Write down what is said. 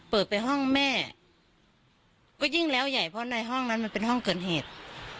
เปิดไปห้องแม่ก็ยิ่งแล้วใหญ่เพราะในห้องนั้นมันเป็นห้องเกิดเหตุ